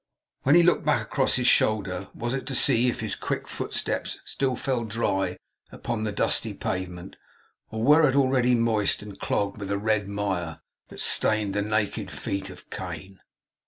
When he looked back, across his shoulder, was it to see if his quick footsteps still fell dry upon the dusty pavement, or were already moist and clogged with the red mire that stained the naked feet of Cain!